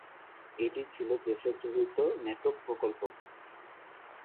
এটি ছিল দেশের চতুর্থ মেট্রো প্রকল্প।